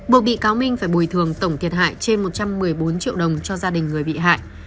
buộc bị cáo minh phải bồi thường tổng thiệt hại trên một trăm một mươi bốn triệu đồng cho gia đình người bị hại